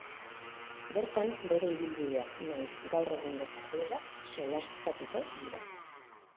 Bertan, bere ibilbideaz nahiz gaur egungo jardueraz solastatuko dia.